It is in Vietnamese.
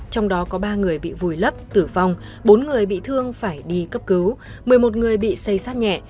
trong đó có ba người bị vùi lấp tử vong bốn người bị thương phải đi cấp cứu một mươi một người bị xây sát nhẹ